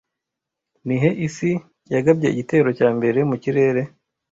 Nihe isi yagabye igitero cya mbere mu kirere